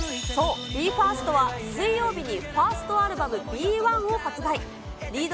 そう、ＢＥ：ＦＩＲＳＴは水曜日にファーストアルバム、ＢＥ：１を発売。